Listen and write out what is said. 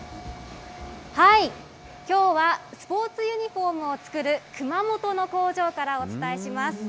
きょうはスポーツユニホームを作る熊本の工場からお伝えします。